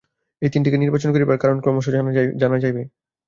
এই তিনটিকে নির্বাচন করিবার কারণ ক্রমশ জানা যাইবে।